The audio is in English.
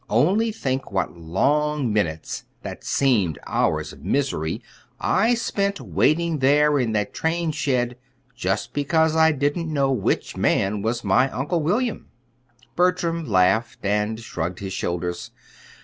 Only think what long minutes that seemed hours of misery I spent waiting there in that train shed, just because I didn't know which man was my Uncle William!" Bertram laughed and shrugged his shoulders.